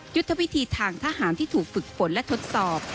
ยุทธวิธีทางทหารที่ถูกฝึกฝนและทดสอบ